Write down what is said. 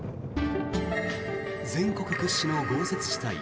全国屈指の豪雪地帯